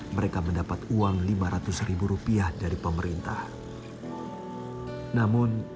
mereka mendapat uang lima ratus rupiah dari pemerintah namun